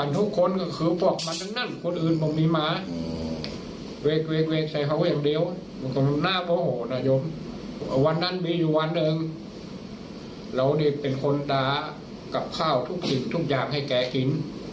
ทุกวันหนึ่งเราเป็นคนดากับข้าวทุกสิ่งทุกอย่างให้แกกิน